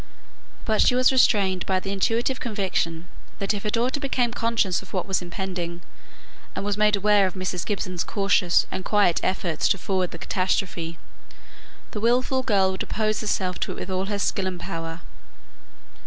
But she was restrained by the intuitive conviction that if her daughter became conscious of what was impending, and was made aware of Mrs. Gibson's cautious and quiet efforts to forward the catastrophe, the wilful girl would oppose herself to it with all her skill and power.